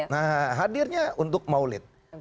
nah hadirnya untuk maulid